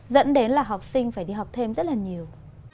dẫn đến là học sinh phải đi học thêm rất là nhiều